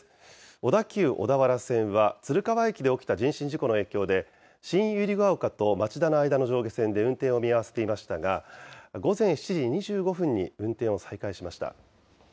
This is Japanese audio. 小田急小田原線は、鶴川駅で起きた人身事故の影響で、新百合ヶ丘と町田の間の上下線で運転を見合わせていましたが、午前７時２５分に運転を再開しました。